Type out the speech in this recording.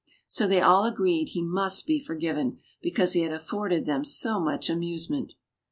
So they all agreed he must be forgiven, because he had afforded them so much amusement.